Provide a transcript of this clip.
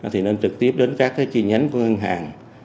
thì nên trực tiếp đến các cái chi nhánh của ngân hàng